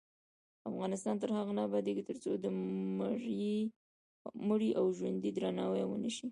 افغانستان تر هغو نه ابادیږي، ترڅو د مړي او ژوندي درناوی ونشي.